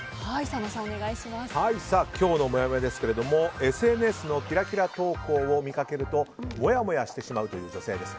今日のもやもやですがＳＮＳのキラキラ投稿を見かけるともやもやしてしまうという女性です。